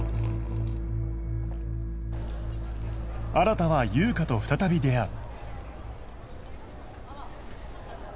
新は優香と再び出会う